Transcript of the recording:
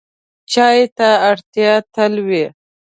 چای ته اړتیا تل وي.